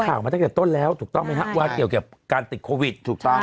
มาตั้งแต่ต้นแล้วถูกต้องไหมฮะว่าเกี่ยวกับการติดโควิดถูกต้อง